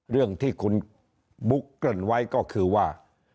เรื่องที่คุณบุ๊กเกริ่นไว้ก็คือว่า